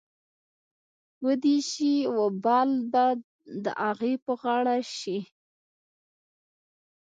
وې دې سي وبال به د اغې په غاړه شي.